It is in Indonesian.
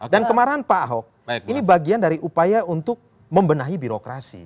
dan kemarahan pak ahok ini bagian dari upaya untuk membenahi birokrasi